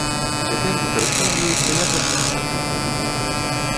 Цяпер выкарыстоўваецца як адміністрацыйны будынак.